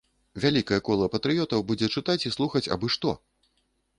Вялікае кола патрыётаў будзе чытаць і слухаць абы што.